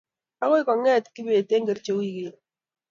agoi kongete kibet eng Kericho wiikini